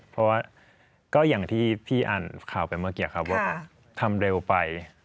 เพราะว่าก็อย่างที่พี่อ่านข่าวไปเมื่อกี้ครับว่าทำเร็วไป